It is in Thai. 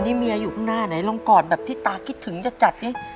นี่เมียอยู่ข้างหน้าไหนลองกอดแบบที่ตาคิดถึงจะจัดสิ